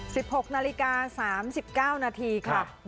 หกนาฬิกาสามสิบเก้านาทีค่ะ